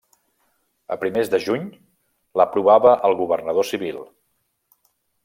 A primers de juny l'aprovava el governador civil.